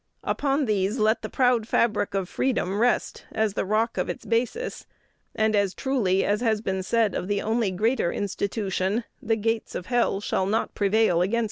Upon these let the proud fabric of freedom rest as the rock of its basis, and as truly as has been said of the only greater institution, 'The gates of hell shall not prevail against it."'